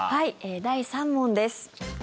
第３問です。